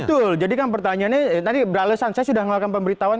betul jadi kan pertanyaannya tadi beralasan saya sudah melakukan pemberitahuan